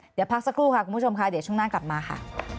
เดี๋ยวพักสักครู่ค่ะคุณผู้ชมค่ะเดี๋ยวช่วงหน้ากลับมาค่ะ